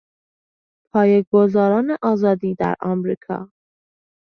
پایهگذاران آزادی در آمریکا